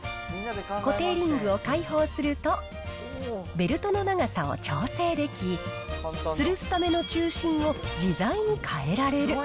固定リングを解放すると、ベルトの長さを調整でき、つるすための中心を自在に変えられる。